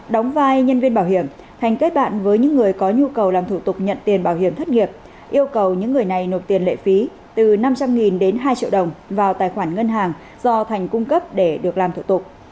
đóng vai nhân viên bảo hiểm thành kết bạn với những người có nhu cầu làm thủ tục nhận tiền bảo hiểm thất nghiệp yêu cầu những người này nộp tiền lệ phí từ năm trăm linh đến hai triệu đồng vào tài khoản ngân hàng do thành cung cấp để được làm thủ tục